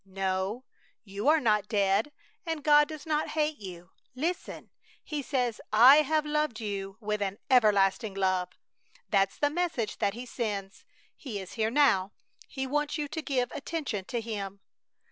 "No, you are not dead. And God does not hate you. Listen! He says, 'I have loved you with an everlasting love.' That's the message that He sends. He is here now. He wants you to give attention to Him!"